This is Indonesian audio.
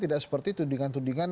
tidak seperti tudingan tudingan